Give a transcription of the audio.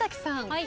はい。